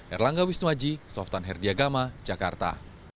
erlangga wisnuaji softan herdiagama jakarta